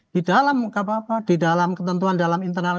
di dalam apa apa di dalam ketentuan dalam internal polri